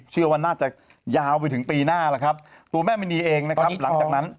เชื่อว่าน่าจะยาวไปถึงปีหน้าแล้วครับตัวแม่มณีเองนะครับหลังจากนั้น